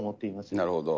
なるほど。